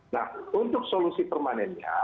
nah untuk solusi permanennya